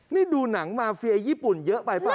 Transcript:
นี่ดูหนังมาเฟียญี่ปุ่นเยอะไปป่ะ